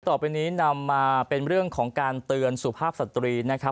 ต่อไปนี้นำมาเป็นเรื่องของการเตือนสุภาพสตรีนะครับ